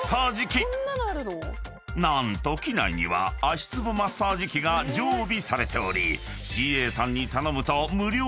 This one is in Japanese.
［何と機内には足つぼマッサージ器が常備されておりＣＡさんに頼むと］